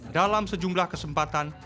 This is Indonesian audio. dalam sejumlah kesempatan